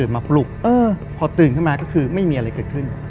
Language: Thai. มาปลุกพอตื่นขึ้นมาก็คือไม่มีอะไรเกิดขึ้น